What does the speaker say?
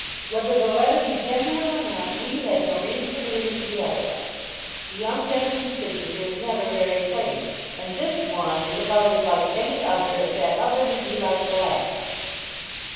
"Whether the letter be genuine or not we had no reason to believe it to be otherwise. The young gentleman's signature is never very plain, and this one is about as like any other as that other would be like the last."